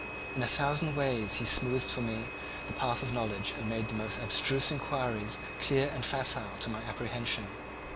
In a thousand ways he smoothed for me the path of knowledge and made the most abstruse inquiries clear and facile to my apprehension.